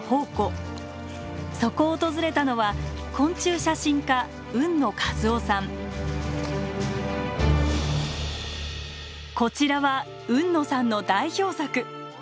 そこを訪れたのはこちらは海野さんの代表作。